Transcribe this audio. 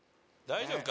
大丈夫？